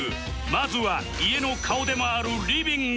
まずは家の顔でもあるリビング